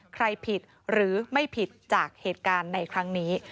ใครผิดหรือไม่ผิดจากเหตุการณ์ในครั้งนี้